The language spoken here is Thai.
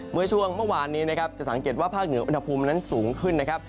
เมื่อช่วงเมื่อวานนี้นะครับจะสังเกตว่าภาคเหนืออุณหภูมินั้นสูงขึ้นนะครับ